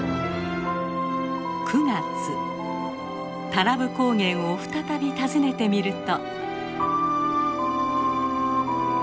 太郎布高原を再び訪ねてみると。